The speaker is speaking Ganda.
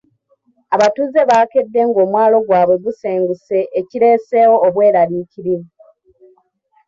Abatuuze baakedde ng’omwalo gwabwe gusenguse ekireeseewo obweraliikirivu.